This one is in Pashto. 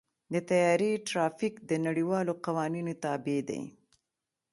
د طیارې ټرافیک د نړیوالو قوانینو تابع دی.